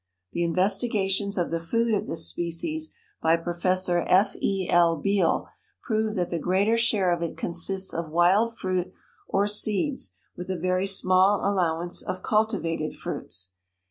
The investigations of the food of this species by Professor F. E. L. Beal prove that the greater share of it consists of wild fruit or seeds with a very small allowance of cultivated fruits.